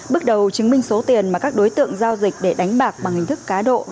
bước đầu chứng minh số tiền mà các đối tượng giao dịch để đánh bạc bằng hình thức cá độ